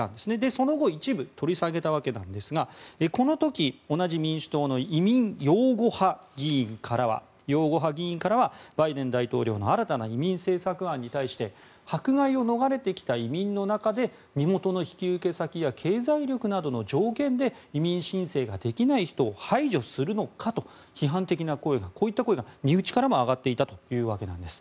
その後一部取り下げたわけですがこの時、同じ民主党の移民擁護派議員からはバイデン大統領の新たな移民政策案に対して迫害を逃れてきた移民の中で身元の引き受け先や経済力などの条件で移民申請ができない人を排除するのかと批判的な声、こういった声が身内からも上がっていたということなんです。